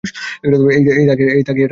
এই তাকিয়াটা নিন-না।